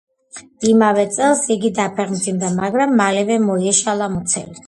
იმავე წელს იგი დაფეხმძიმდა, მაგრამ მალევე მოეშალა მუცელი.